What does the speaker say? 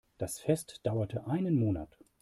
Das Fest dauerte einen Monat.